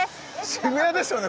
渋谷ですよね